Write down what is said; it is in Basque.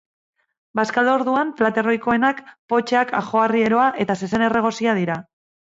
Bazkalorduan plater ohikoenak potxak, ajoarrieroa eta zezen erregosia dira.